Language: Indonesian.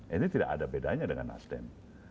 ini tidak ada bedanya dengan nasdem